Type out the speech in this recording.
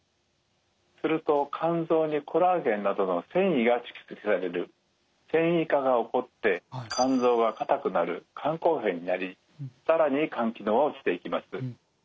すると肝臓にコラーゲンなどの線維が蓄積される線維化が起こって肝臓が硬くなる肝硬変になり更に肝機能は落ちていきます。